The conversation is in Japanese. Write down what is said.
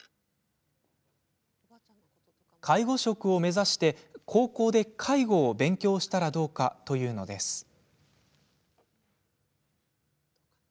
介護職を目指して高校で介護を勉強したらどうかというのです。